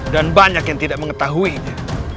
dan banyak yang tidak mengetahuinya